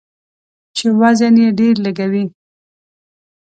چې وزن یې ډیر لږوي.